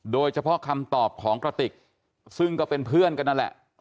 โดยเฉพาะคำตอบของกระติกซึ่งก็เป็นเพื่อนกันนั่นแหละ